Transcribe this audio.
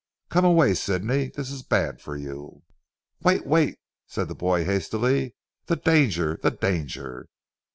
Come away Sidney, this is bad for you." "Wait! Wait!" said the boy hastily, "the danger, the danger.